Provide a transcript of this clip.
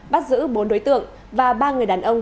bắt giữ bốn đối tượng và ba người đàn ông